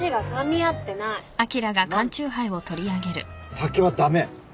酒は駄目！